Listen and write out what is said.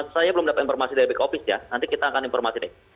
saya belum dapat informasi dari back office ya nanti kita akan informasi deh